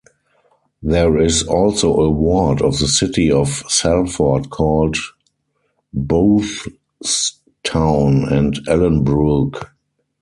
There is also a ward of the City of Salford called Boothstown and Ellenbrook.